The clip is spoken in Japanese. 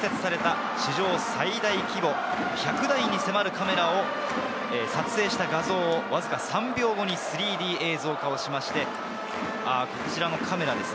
今年から常設された史上最大規模、１００台に迫るカメラを撮影した画像をわずか３秒後に３Ｄ映像化して、こちらのカメラです。